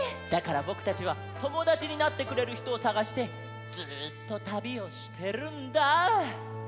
だからぼくたちはともだちになってくれるひとをさがしてずっとたびをしてるんだ。